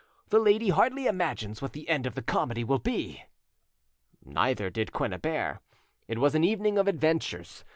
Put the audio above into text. The lady hardly imagines what the end of the comedy will be." Neither did Quennebert. It was an evening of adventures.